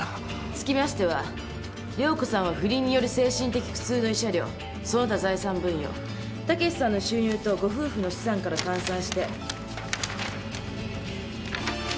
つきましては涼子さんは不倫による精神的苦痛の慰謝料その他財産分与武さんの収入とご夫婦の資産から換算して。